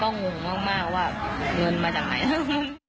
ก็งงมากว่าเงินมาจากไหนแล้ว